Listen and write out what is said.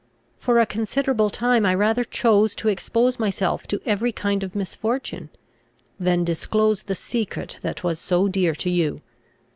For a considerable time I rather chose to expose myself to every kind of misfortune, than disclose the secret that was so dear to you.